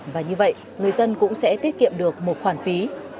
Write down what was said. và như vậy người dân cũng sẽ tiết kiệm được một khoản phí